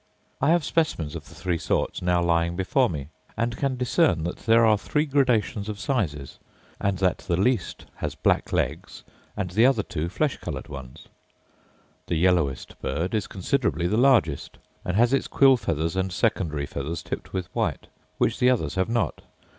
I have specimens of the three sorts now lying before me; and can discern that there are three gradations of sizes, and that the least has black legs, and the other two flesh coloured ones. The yellowest bird is considerably the largest, and has its quill feathers and secondary feathers tipped with white, which the others have not.